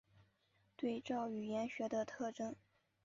对照语言学的特征。